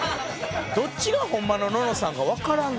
どっちがホンマのののさんかわからんのよ。